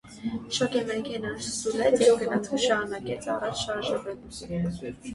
Շոգեմեքենան սուլեց, և գնացքը շարունակեց առաջ շարժվել: